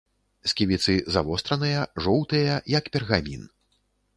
Сківіцы завостраныя, жоўтыя, як пергамін.